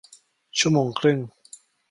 ชั่วโมงครึ่ง